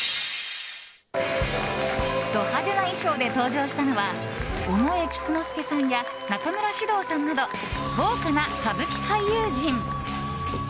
ド派手な衣装で登場したのは尾上菊之助さんや中村獅童さんなど豪華な歌舞伎俳優陣。